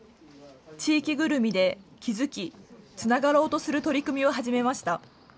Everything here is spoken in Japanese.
地域ぐるみで気付き、つながろうとする取り組みを始めました。